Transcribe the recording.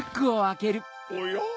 おや？